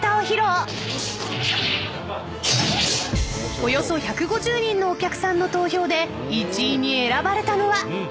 ［およそ１５０人のお客さんの投票で１位に選ばれたのは］